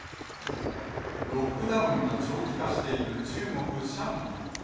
ロックダウンが長期化している中国・上海。